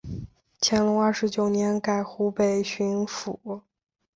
乾隆二十九年改湖北巡抚。